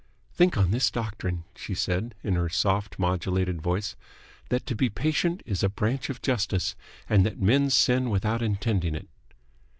"Think on this doctrine," she said, in her soft, modulated voice, "that to be patient is a branch of justice, and that men sin without intending it."